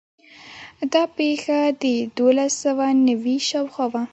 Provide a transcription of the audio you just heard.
دا پېښه د دولس سوه نوي شاوخوا وه.